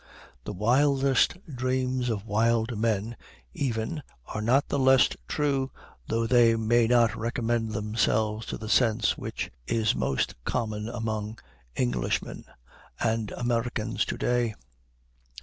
The wildest dreams of wild men, even, are not the less true, though they may not recommend themselves to the sense which is most common among Englishmen and Americans to day.